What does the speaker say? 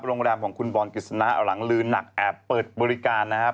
โรงแรมของคุณบอลกฤษณะหลังลืนหนักแอบเปิดบริการนะครับ